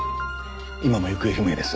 今も行方不明です。